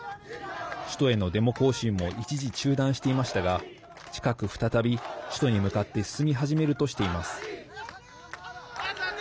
首都へのデモ行進も一時中断していましたが近く再び、首都に向かって進み始めるとしています。